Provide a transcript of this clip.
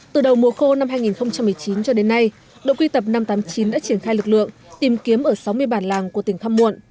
từ đầu mùa khô năm hai nghìn một mươi chín cho đến nay đội quy tập năm trăm tám mươi chín đã triển khai lực lượng tìm kiếm ở sáu mươi bản làng của tỉnh khăm muộn